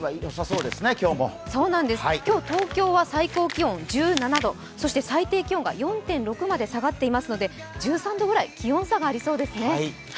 今日、東京は最高気温１７度、最低気温が４．６まで下がってますので１３度ぐらい気温差がありそうですね。